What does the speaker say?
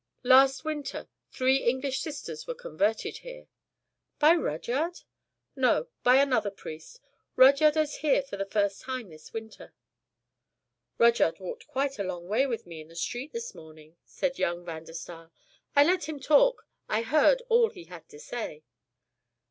Last winter, three English sisters were converted here." "By Rudyard?" "No, by another priest. Rudyard is here for the first time this winter." "Rudyard walked quite a long way with me in the street this morning," said young Van der Staal. "I let him talk, I heard all he had to say."